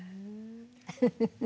フフフッ。